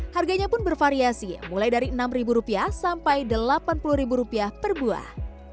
harganya pun bervariasi mulai dari enam ribu rupiah sampai delapan puluh ribu rupiah per buah